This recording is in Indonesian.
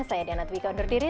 saya diana twika undur diri